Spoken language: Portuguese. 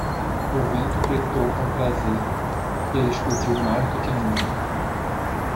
O vento gritou com prazer? e explodiu mais do que nunca.